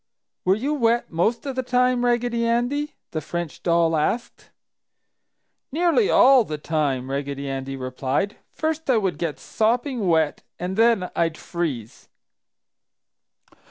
"Were you wet most of the time, Raggedy Andy?" the French doll asked. "Nearly all the time!" Raggedy Andy replied. "First I would get sopping wet and then I'd freeze!"